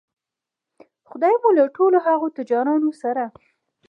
خدای مو له ټولو هغو تجارانو سره